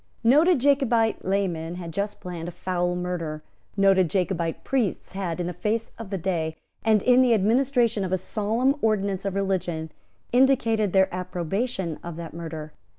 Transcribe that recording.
Noted Jacobite laymen had just planned a foul murder. Noted Jacobite priests had, in the face of day, and in the administration of a solemn ordinance of religion, indicated their approbation of that murder.